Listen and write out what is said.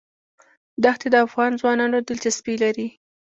دښتې د افغان ځوانانو لپاره دلچسپي لري.